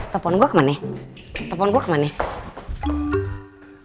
telepon gua ke mana telepon gua ke mana